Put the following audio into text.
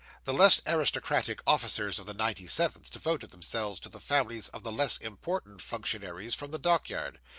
The less aristocratic officers of the 97th devoted themselves to the families of the less important functionaries from the dockyard.